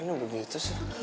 jalan udah begitu sih